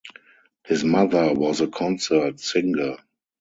His mother was a concert singer.